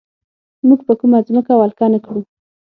موږ به کومه ځمکه ولکه نه کړو.